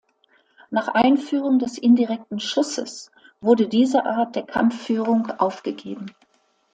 Nach Einführung des indirekten Schusses wurde diese Art der Kampfführung aufgegeben.